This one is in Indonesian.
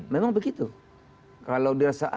memang begitu kalau dirasa